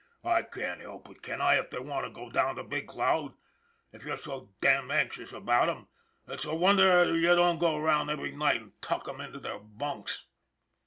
" I can't help it, can I, if they want to go down to Big Cloud? If you're so blamed anxious about them, it's a wonder you don't go around every night and tuck 'em into their bunks